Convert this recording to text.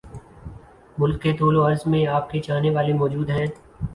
ملک کے طول وعرض میں آپ کے چاہنے والے موجود ہیں